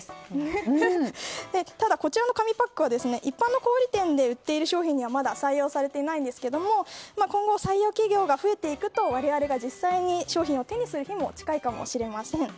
ただ、こちらの紙パックは一般の小売店で売っている商人はまだ採用されていないんですが今後、採用企業が増えていくと我々が実際に商品を手にする日も近いかもしれません。